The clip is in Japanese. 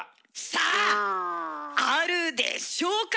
さああるでしょうか